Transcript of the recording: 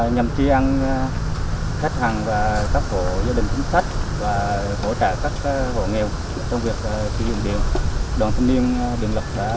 nhằm triển khách hàng và các hộ gia đình chính sách và hỗ trợ các hộ nghèo trong việc sử dụng điện